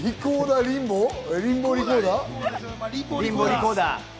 リンボーリコーダー。